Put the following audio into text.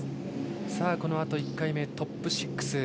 このあと１回目、トップ６。